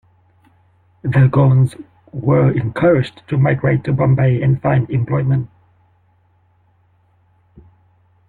The Goans were encouraged to migrate to Bombay and find employment.